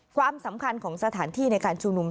ความสำคัญของสถานที่ในการชุมนุม